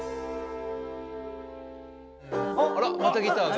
・あらまたギター。